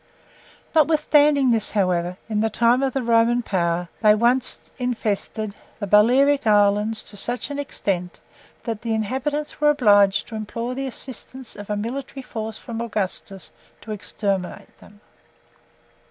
Notwithstanding this, however, in the time of the Roman power, they once infested the Balearic islands to such an extent, that the inhabitants were obliged to implore the assistance of a military force from Augustus to exterminate them.